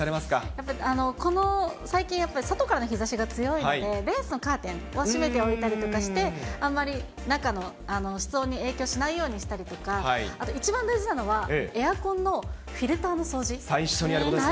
やっぱりこの、最近やっぱり外からの日ざしが強いので、レースのカーテンを閉めておいたりとかして、あんまり中の室温に影響しないようにしたりとか、あと一番大事なのは、エアコンの最初にやることですね。